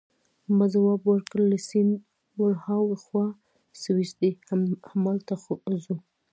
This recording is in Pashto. ما ځواب ورکړ: له سیند ورهاخوا سویس دی، همالته ځو.